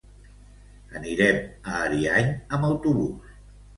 Anirem a Ariany amb autobús.